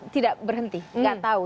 tidak berhenti nggak tahu